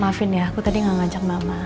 maafin ya aku tadi gak ngajak mama